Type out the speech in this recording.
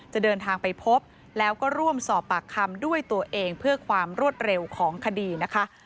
จะเดินทางไปพบแล้วก็ร่วมสอบปากคำด้วยตัวเองเพื่อความรวดเร็วของคดีนะคะ